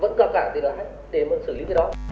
vẫn gặp cả tên là hãy tìm sử lý cái đó